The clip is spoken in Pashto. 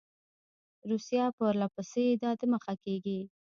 روسیه پر له پسې را دمخه کیږي.